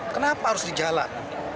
kenapa harus di jalan